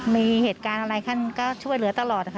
มีเหตุการณ์อะไรท่านก็ช่วยเหลือตลอดนะคะ